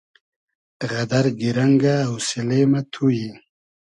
غئدئر گیرئنگۂ اۆسیلې مۂ تو یی